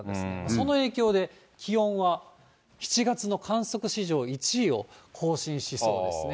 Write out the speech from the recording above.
その影響で、気温は７月の観測史上１位を更新しそうですね。